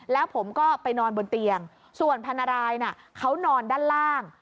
แล้วผมก็ไปนอนบนเตียงส่วนพันรายน่ะเขานอนด้านล่าง